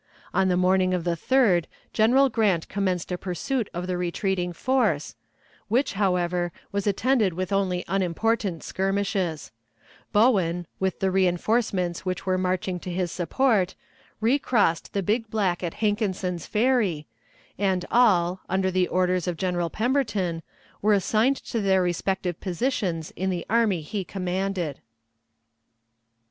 On the morning of the 3d General Grant commenced a pursuit of the retreating force, which, however, was attended with only unimportant skirmishes; Bowen, with the reënforcements which were marching to his support, recrossed the Big Black at Hankinson's Ferry, and all, under the orders of General Pemberton, were assigned to their respective positions in the army he commanded.